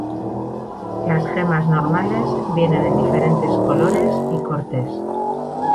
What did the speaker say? Las gemas normales vienen en diferentes colores y cortes.